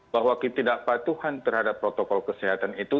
bahwa ketidakpatuhan terhadap protokol kesehatan itu